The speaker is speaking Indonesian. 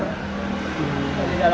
di dalam running door